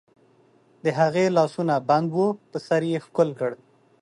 د هغې لاسونه بند وو، په سر یې ښکل کړ.